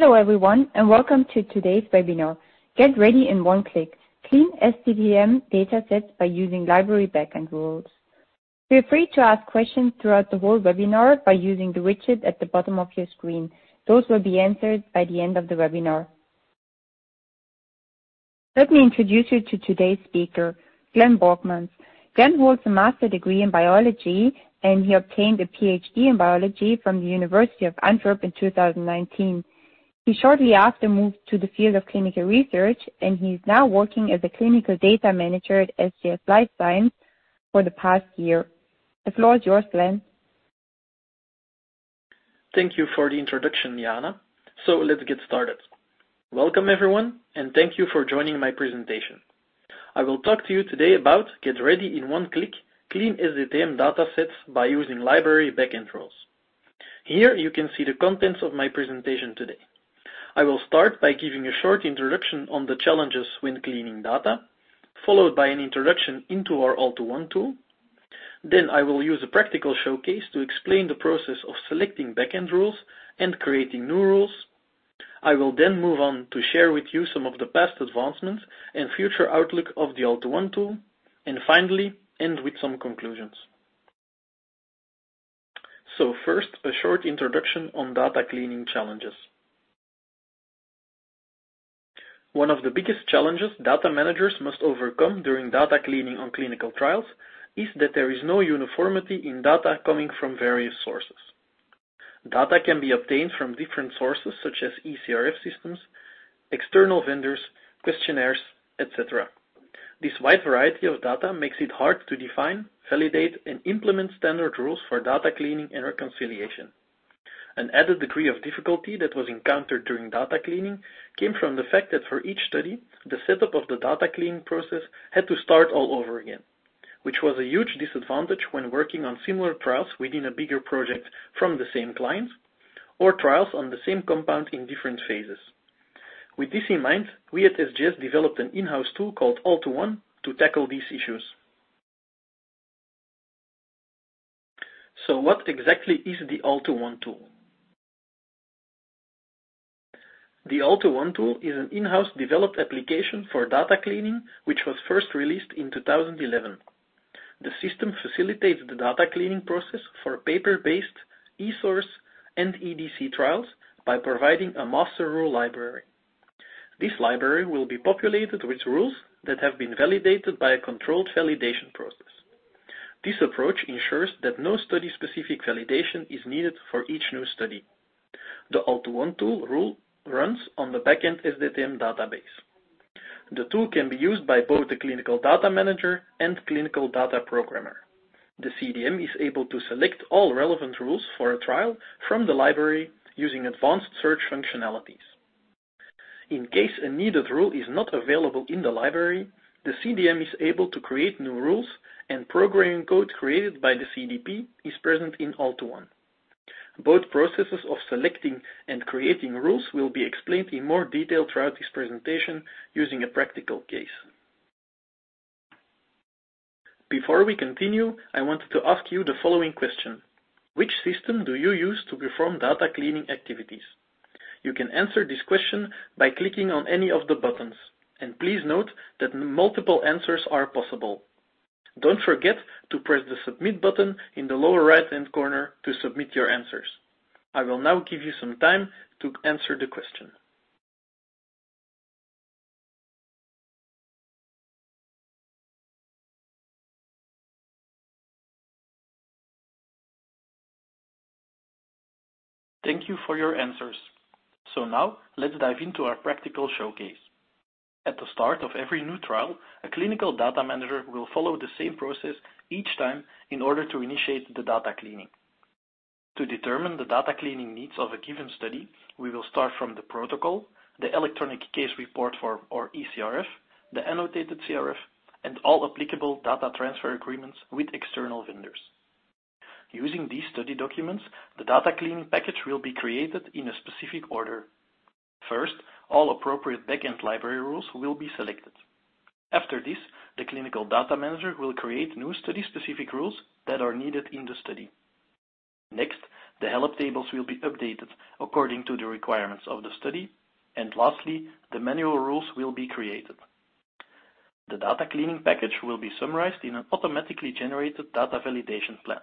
Hello everyone, and welcome to today's webinar. Get ready in one click: clean SDTM datasets by using library backend Rules. Feel free to ask questions throughout the whole webinar by using the widget at the bottom of your screen. Those will be answered by the end of the webinar. Let me introduce you to today's speaker, Glenn Borgmans. Glenn holds a master's degree in biology, and he obtained a PhD in biology from the University of Antwerp in 2019. He shortly after moved to the field of clinical research, and he is now working as a clinical data manager at SGS Life Sciences for the past year. The floor is yours, Glenn. Thank you for the introduction, Jana. So let's get started. Welcome everyone, and thank you for joining my presentation. I will talk to you today about, get ready in one click: clean SDTM datasets by using library backend Rules. Here you can see the contents of my presentation today. I will start by giving a short introduction on the challenges when cleaning data, followed by an introduction into our All2One tool. Then I will use a practical showcase to explain the process of selecting backend Rules and creating new Rules. I will then move on to share with you some of the past advancements and future outlook of the All2One tool, and finally end with some conclusions. So first, a short introduction on data cleaning challenges. One of the biggest challenges data managers must overcome during data cleaning on clinical trials is that there is no uniformity in data coming from various sources. Data can be obtained from different sources such as eCRF systems, external vendors, questionnaires, etc. This wide variety of data makes it hard to define, validate, and implement standard rules for data cleaning and reconciliation. An added degree of difficulty that was encountered during data cleaning came from the fact that for each study, the setup of the data cleaning process had to start all over again, which was a huge disadvantage when working on similar trials within a bigger project from the same client or trials on the same compound in different phases. With this in mind, we at SGS developed an in-house tool called All2One to tackle these issues. So what exactly is the All2One tool? The All2One tool is an in-house developed application for data cleaning, which was first released in 2011. The system facilitates the data cleaning process for paper-based, eSource, and EDC trials by providing a master rule library. This library will be populated with rules that have been validated by a controlled validation process. This approach ensures that no study-specific validation is needed for each new study. The All2One tool runs on the backend SDTM database. The tool can be used by both the clinical data manager and clinical data programmer. The CDM is able to select all relevant rules for a trial from the library using advanced search functionalities. In case a needed rule is not available in the library, the CDM is able to create new rules, and programming code created by the CDP is present in All2One. Both processes of selecting and creating rules will be explained in more detail throughout this presentation using a practical case. Before we continue, I wanted to ask you the following question: which system do you use to perform data cleaning activities? You can answer this question by clicking on any of the buttons, and please note that multiple answers are possible. Don't forget to press the Submit button in the lower right-hand corner to submit your answers. I will now give you some time to answer the question. Thank you for your answers. So now let's dive into our practical showcase. At the start of every new trial, a clinical data manager will follow the same process each time in order to initiate the data cleaning. To determine the data cleaning needs of a given study, we will start from the protocol, the electronic case report form eCRF, the annotated CRF, and all applicable data transfer agreements with external vendors. Using these study documents, the data cleaning package will be created in a specific order. First, all appropriate backend library rules will be selected. After this, the clinical data manager will create new study-specific rules that are needed in the study. Next, the Help Tables will be updated according to the requirements of the study, and lastly, the manual rules will be created. The data cleaning package will be summarized in an automatically generated data validation plan.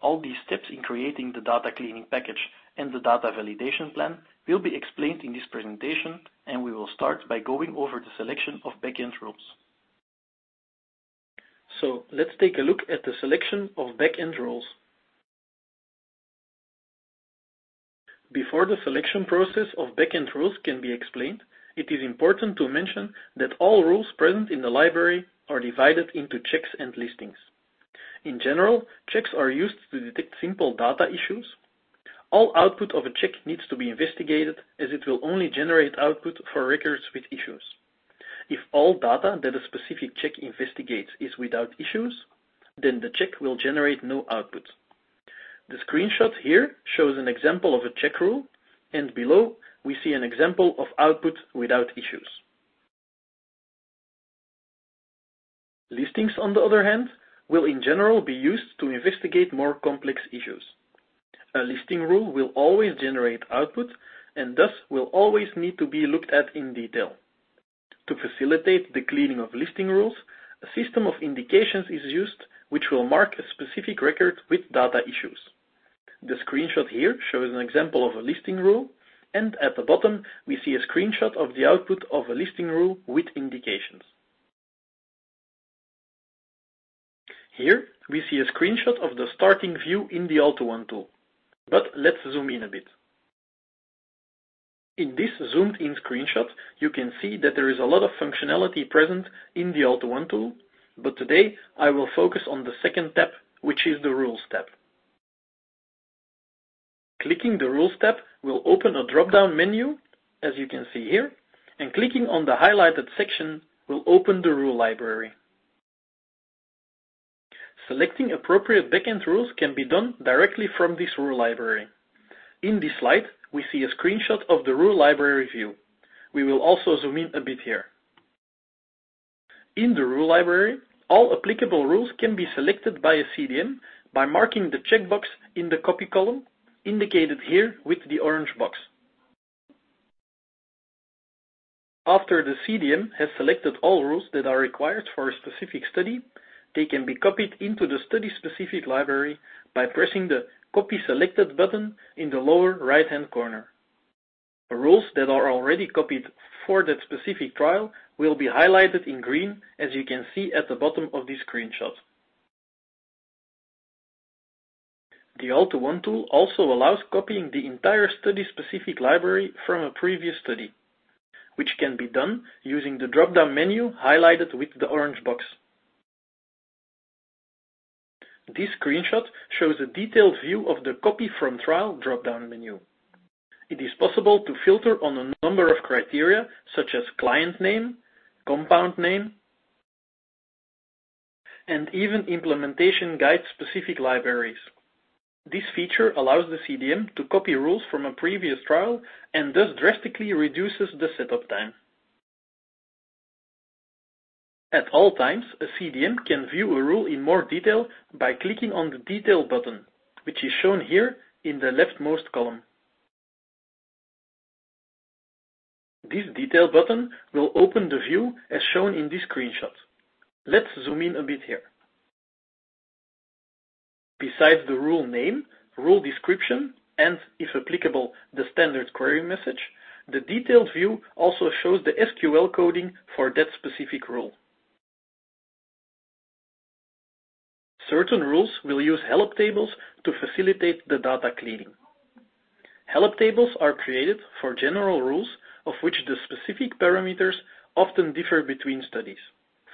All these steps in creating the data cleaning package and the data validation plan will be explained in this presentation, and we will start by going over the selection of backend rules. So let's take a look at the selection of backend rules. Before the selection process of backend rules can be explained, it is important to mention that all rules present in the library are divided into checks and listings. In general, checks are used to detect simple data issues. All output of a check needs to be investigated, as it will only generate output for records with issues. If all data that a specific check investigates is without issues, then the check will generate no output. The screenshot here shows an example of a check rule, and below we see an example of output without issues. Listings, on the other hand, will in general be used to investigate more complex issues. A listing rule will always generate output, and thus will always need to be looked at in detail. To facilitate the cleaning of listing rules, a system of indications is used, which will mark a specific record with data issues. The screenshot here shows an example of a listing rule, and at the bottom we see a screenshot of the output of a listing rule with indications. Here we see a screenshot of the starting view in the All2One tool, but let's zoom in a bit. In this zoomed-in screenshot, you can see that there is a lot of functionality present in the All2One tool, but today I will focus on the second tab, which is the rules tab. Clicking the rules tab will open a drop-down menu, as you can see here, and clicking on the highlighted section will open the rule library. Selecting appropriate backend rules can be done directly from this rule library. In this slide, we see a screenshot of the rule library view. We will also zoom in a bit here. In the rule library, all applicable rules can be selected by a CDM by marking the checkbox in the Copy column indicated here with the orange box. After the CDM has selected all rules that are required for a specific study, they can be copied into the study-specific library by pressing the Copy Selected button in the lower right-hand corner. Rules that are already copied for that specific trial will be highlighted in green, as you can see at the bottom of this screenshot. The All2One tool also allows Copying the entire study-specific library from a previous study, which can be done using the drop-down menu highlighted with the orange box. This screenshot shows a detailed view of the Copy From Trial drop-down menu. It is possible to filter on a number of criteria such as client name, compound name, and even Implementation Guide-specific libraries. This feature allows the CDM to Copy rules from a previous trial and thus drastically reduces the setup time. At all times, a CDM can view a rule in more detail by clicking on the Detail button, which is shown here in the leftmost column. This Detail button will open the view as shown in this screenshot. Let's zoom in a bit here. Besides the rule name, rule description, and if applicable, the Standard Query Message, the detailed view also shows the SQL coding for that specific rule. Certain rules will use Help Tables to facilitate the data cleaning. Help Tables are created for general rules of which the specific parameters often differ between studies,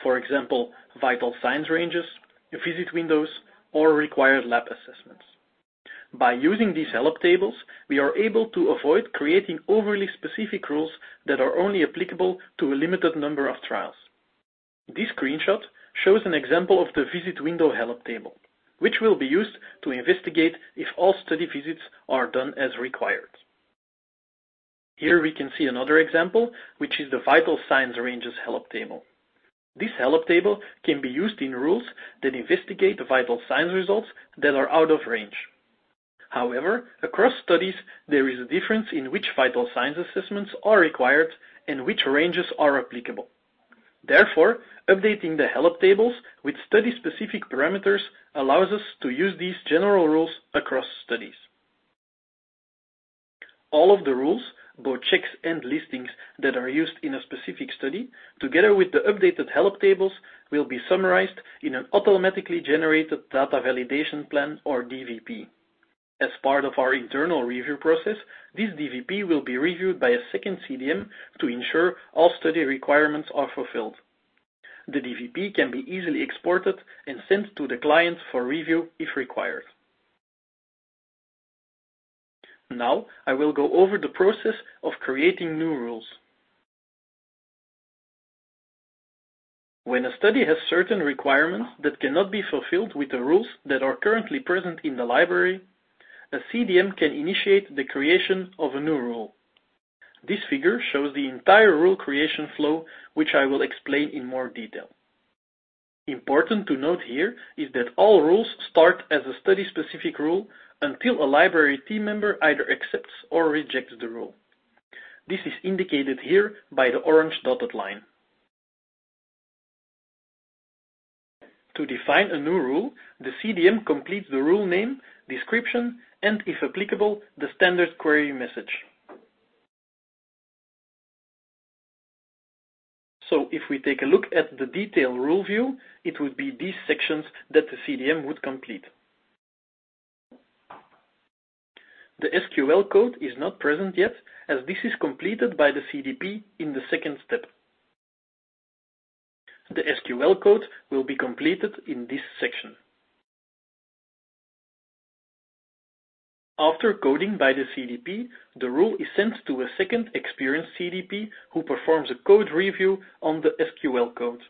for example, Vital Signs ranges, visit windows, or required lab assessments. By using these Help Tables, we are able to avoid creating overly specific rules that are only applicable to a limited number of trials. This screenshot shows an example of the visit window help table, which will be used to investigate if all study visits are done as required. Here we can see another example, which is the vital signs ranges help table. This help table can be used in rules that investigate vital signs results that are out of range. However, across studies, there is a difference in which vital signs assessments are required and which ranges are applicable. Therefore, updating the Help Tables with study-specific parameters allows us to use these general rules across studies. All of the rules, both checks and listings that are used in a specific study, together with the updated Help Tables, will be summarized in an automatically generated data validation plan or DVP. As part of our internal review process, this DVP will be reviewed by a second CDM to ensure all study requirements are fulfilled. The DVP can be easily exported and sent to the client for review if required. Now I will go over the process of creating new rules. When a study has certain requirements that cannot be fulfilled with the rules that are currently present in the library, a CDM can initiate the creation of a new rule. This figure shows the entire rule creation flow, which I will explain in more detail. Important to note here is that all rules start as a study-specific rule until a library team member either accepts or rejects the rule. This is indicated here by the orange dotted line. To define a new rule, the CDM completes the rule name, description, and if applicable, the standard query message. So if we take a look at the detailed rule view, it would be these sections that the CDM would complete. The SQL code is not present yet, as this is completed by the CDP in the second step. The SQL code will be completed in this section. After coding by the CDP, the rule is sent to a second experienced CDP who performs a code review on the SQL code.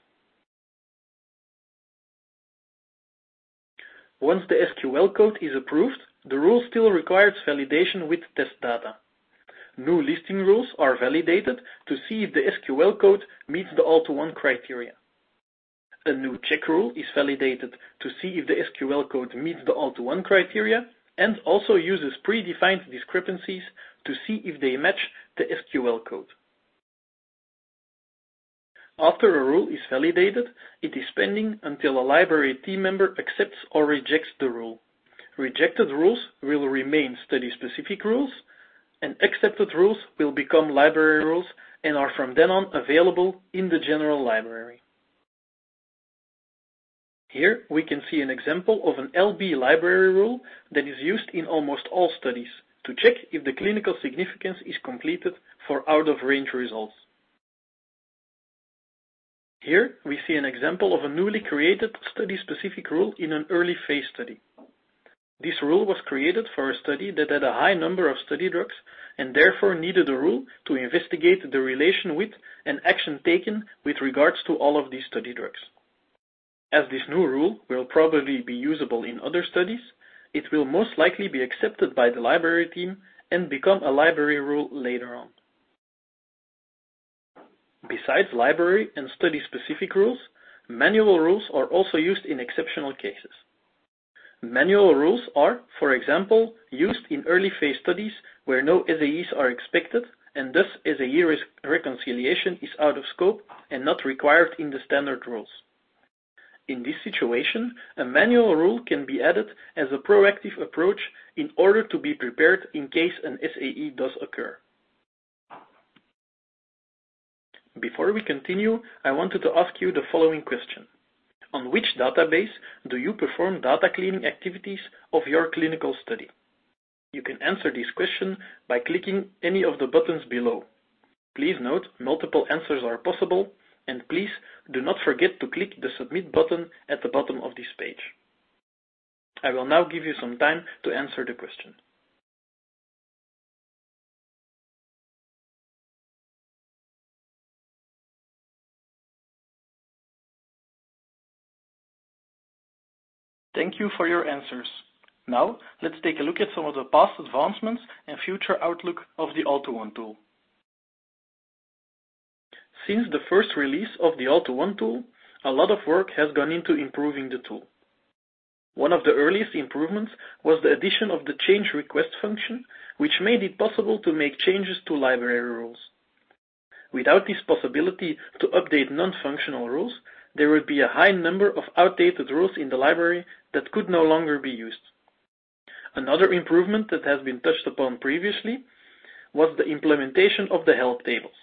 Once the SQL code is approved, the rule still requires validation with test data. New listing rules are validated to see if the SQL code meets the All2One criteria. A new check rule is validated to see if the SQL code meets the All2One criteria and also uses predefined discrepancies to see if they match the SQL code. After a rule is validated, it is pending until a library team member accepts or rejects the rule. Rejected rules will remain study-specific rules, and accepted rules will become library rules and are from then on available in the general library. Here we can see an example of an LB library rule that is used in almost all studies to check if the clinical significance is completed for out-of-range results. Here we see an example of a newly created study-specific rule in an early phase study. This rule was created for a study that had a high number of study drugs and therefore needed a rule to investigate the relation with an action taken with regards to all of these study drugs. As this new rule will probably be usable in other studies, it will most likely be accepted by the library team and become a library rule later on. Besides library and study-specific rules, manual rules are also used in exceptional cases. Manual rules are, for example, used in early phase studies where no SAEs are expected and thus SAE reconciliation is out of scope and not required in the standard rules. In this situation, a manual rule can be added as a proactive approach in order to be prepared in case an SAE does occur. Before we continue, I wanted to ask you the following question: on which database do you perform data cleaning activities of your clinical study? You can answer this question by clicking any of the buttons below. Please note multiple answers are possible, and please do not forget to click the Submit button at the bottom of this page. I will now give you some time to answer the question. Thank you for your answers. Now let's take a look at some of the past advancements and future outlook of the All2One tool. Since the first release of the All2One tool, a lot of work has gone into improving the tool. One of the earliest improvements was the addition of the change request function, which made it possible to make changes to library rules. Without this possibility to update non-functional rules, there would be a high number of outdated rules in the library that could no longer be used. Another improvement that has been touched upon previously was the implementation of the Help Tables.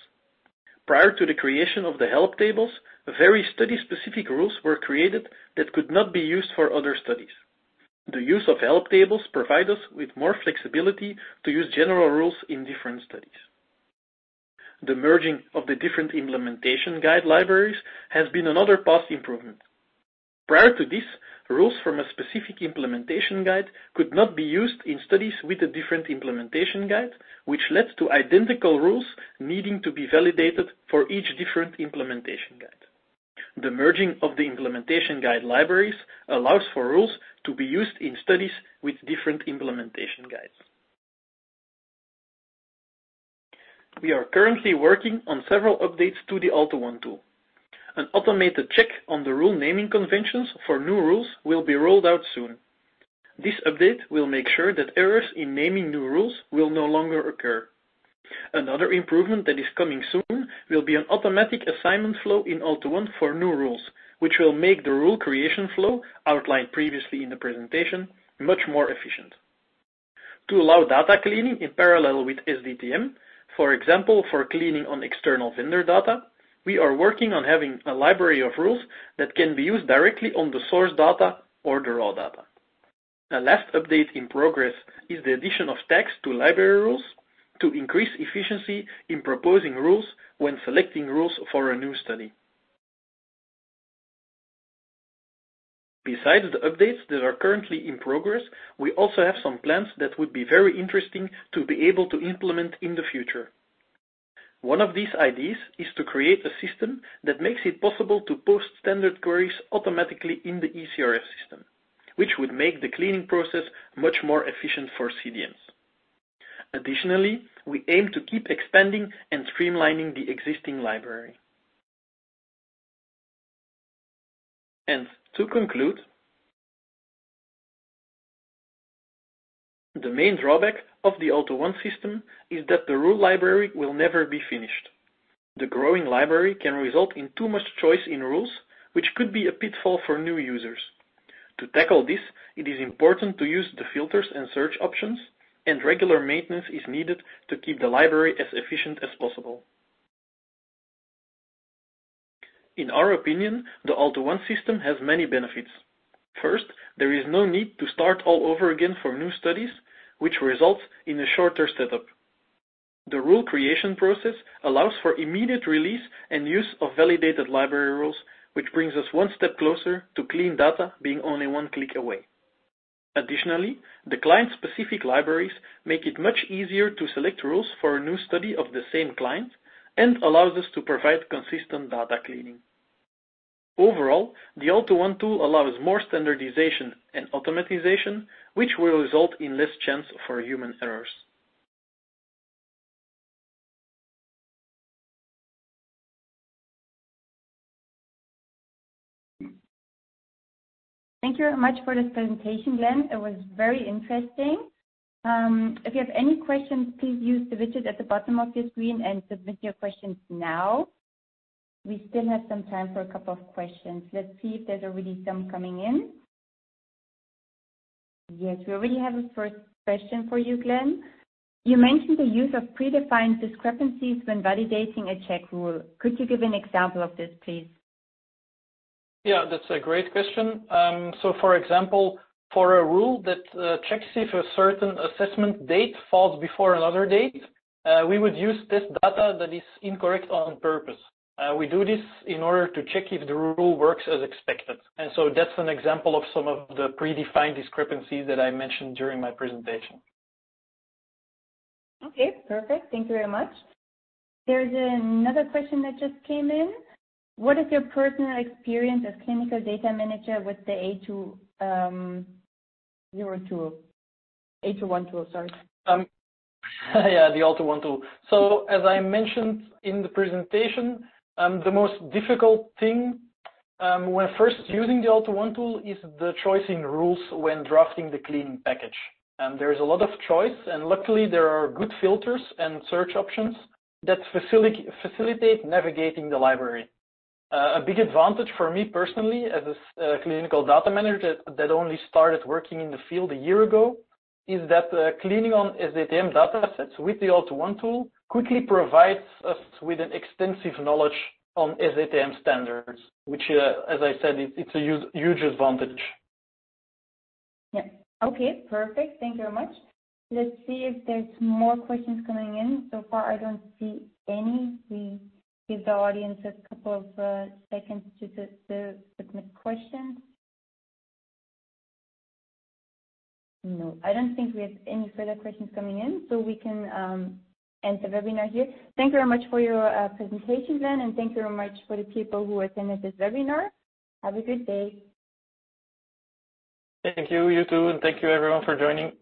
Prior to the creation of the Help Tables, every study-specific rules were created that could not be used for other studies. The use of Help Tables provides us with more flexibility to use general rules in different studies. The merging of the different implementation guide libraries has been another past improvement. Prior to this, rules from a specific implementation guide could not be used in studies with a different implementation guide, which led to identical rules needing to be validated for each different implementation guide. The merging of the implementation guide libraries allows for rules to be used in studies with different implementation guides. We are currently working on several updates to the All2One tool. An automated check on the rule naming conventions for new rules will be rolled out soon. This update will make sure that errors in naming new rules will no longer occur. Another improvement that is coming soon will be an automatic assignment flow in All2One for new rules, which will make the rule creation flow outlined previously in the presentation much more efficient. To allow data cleaning in parallel with SDTM, for example, for cleaning on external vendor data, we are working on having a library of rules that can be used directly on the source data or the raw data. A last update in progress is the addition of tags to library rules to increase efficiency in proposing rules when selecting rules for a new study. Besides the updates that are currently in progress, we also have some plans that would be very interesting to be able to implement in the future. One of these ideas is to create a system that makes it possible to post standard queries automatically in the eCRF system, which would make the cleaning process much more efficient for CDMs. Additionally, we aim to keep expanding and streamlining the existing library. To conclude, the main drawback of the All2One system is that the rule library will never be finished. The growing library can result in too much choice in rules, which could be a pitfall for new users. To tackle this, it is important to use the filters and search options, and regular maintenance is needed to keep the library as efficient as possible. In our opinion, the All2One system has many benefits. First, there is no need to start all over again for new studies, which results in a shorter setup. The rule creation process allows for immediate release and use of validated library rules, which brings us one step closer to clean data being only one click away. Additionally, the client-specific libraries make it much easier to select rules for a new study of the same client and allow us to provide consistent data cleaning. Overall, the All2One tool allows more standardization and automation, which will result in less chance for human errors. Thank you very much for this presentation, Glenn. It was very interesting. If you have any questions, please use the widget at the bottom of your screen and submit your questions now. We still have some time for a couple of questions. Let's see if there's already some coming in. Yes, we already have a first question for you, Glenn. You mentioned the use of predefined discrepancies when validating a check rule. Could you give an example of this, please? Yeah, that's a great question. So, for example, for a rule that checks if a certain assessment date falls before another date, we would use this data that is incorrect on purpose. We do this in order to check if the rule works as expected. So that's an example of some of the predefined discrepancies that I mentioned during my presentation. Okay, perfect. Thank you very much. There's another question that just came in. What is your personal experience as clinical data manager with the All2One? All2One, sorry. Yeah, the All2One tool. So, as I mentioned in the presentation, the most difficult thing when first using the All2One tool is the choice in rules when drafting the cleaning package. There is a lot of choice, and luckily there are good filters and search options that facilitate navigating the library. A big advantage for me personally as a clinical data manager that only started working in the field a year ago is that cleaning on SDTM datasets with the All2One tool quickly provides us with an extensive knowledge on SDTM standards, which, as I said, it's a huge advantage. Yeah, okay, perfect. Thank you very much. Let's see if there's more questions coming in. So far, I don't see any. We give the audience a couple of seconds to submit questions. No, I don't think we have any further questions coming in, so we can end the webinar here. Thank you very much for your presentation, Glenn, and thank you very much for the people who attended this webinar. Have a good day Thank you, you too, and thank you everyone for joining.